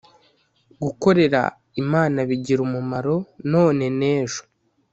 Gukorera imana bigira umumaro none nejo